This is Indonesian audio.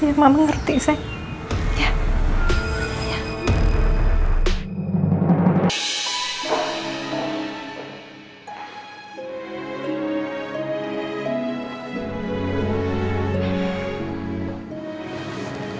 dia justru bisa macu aku ini semua ma